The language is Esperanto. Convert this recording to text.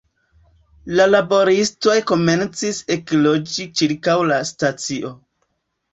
La laboristoj komencis ekloĝi ĉirkaŭ la stacio.